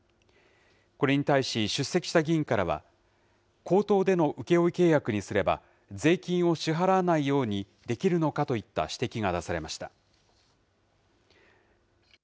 これに対し出席した議員からは、口頭での請負契約にすれば、税金を支払わないようにできるのかといった指摘が出されました。